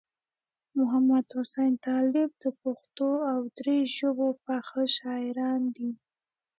محمدحسین طالب د پښتو او دري ژبې پاخه شاعران دي.